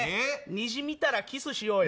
虹、見たらキスしようよ。